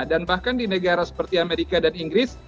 dan bahkan di negara seperti amerika dan inggris